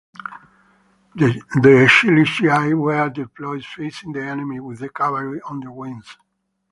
The Chiliarciai were deployed facing the enemy, with the cavalry on their wings.